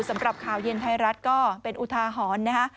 สำหรับข่าวเย็นไทยรัฐก็เป็นอุทาหรณ์นะคะ